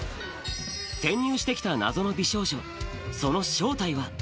転入してきた謎の美少女、その正体は。